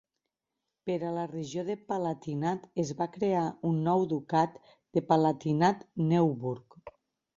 Per a la regió de Palatinat es va crear un nou ducat de Palatinat-Neuburg.